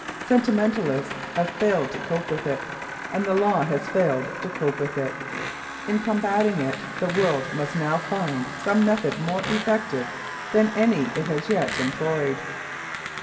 Sentimentalists have failed to cope with it, and the law has failed to cope with it. In combating it, the world must now find some method more effective than any it has yet employed.